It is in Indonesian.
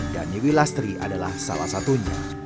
dhaniwi lastri adalah salah satunya